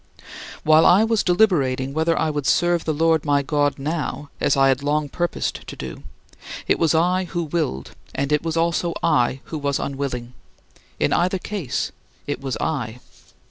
While I was deliberating whether I would serve the Lord my God now, as I had long purposed to do, it was I who willed and it was also I who was unwilling. In either case, it was I.